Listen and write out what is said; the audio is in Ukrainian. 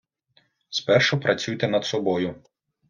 Спершу працюйте над собою.